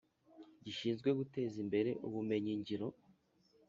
gishinzwe Guteza Imbere Ubumenyingiro